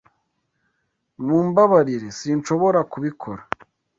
Mumbabarire, sinshobora kubikora